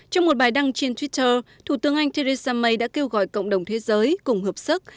trong một bài đăng trên twitter thủ tướng anh theresa may đã kêu gọi cộng đồng thế giới cùng hợp sức